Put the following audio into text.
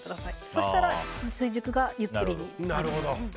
そうしたら追熟がゆっくりになります。